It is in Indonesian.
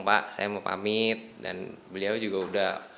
pak saya mau pamit dan beliau juga udah